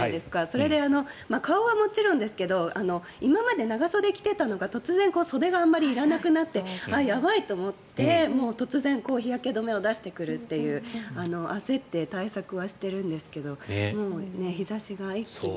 それで、顔はもちろんですけど今まで長袖を着ていたのが突然、袖があまりいらなくなってやばいと思って突然日焼け止めを出してくるという焦って、対策はしてるんですけどもう日差しが一気に。